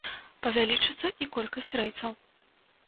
Павялічыцца і колькасць рэйсаў.